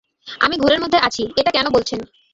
আমি ঘোরের মধ্যে আছি, এটা কেন বলছেন?